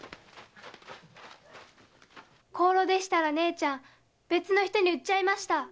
香炉でしたら姉ちゃん別の人に売っちゃいました。